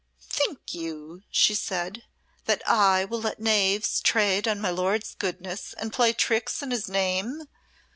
"'Think you,' she said, 'that I will let knaves trade on my lord's goodness, and play tricks in his name?